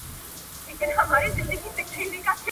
مسافرو وو خپل مرګ داسي هېر کړی .